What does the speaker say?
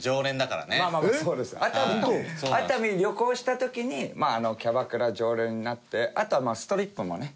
熱海に旅行した時にキャバクラ常連になってあとはストリップもね。